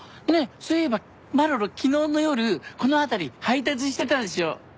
そういえばマロロ昨日の夜この辺り配達してたでしょ。